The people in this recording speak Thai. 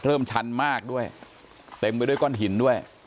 ชันมากด้วยเต็มไปด้วยก้อนหินด้วย